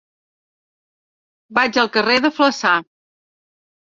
Vaig al carrer de Flaçà.